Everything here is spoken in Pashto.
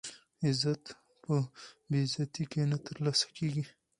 عزت په بې غیرتۍ کې نه ترلاسه کېږي.